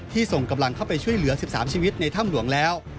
ส่งกำลังเข้าไปช่วยเหลือ๑๓ชีวิตในถ้ำหลวงแล้ว